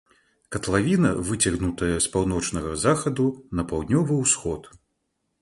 Катлавіна выцягнутая з паўночнага захаду на паўднёвы ўсход.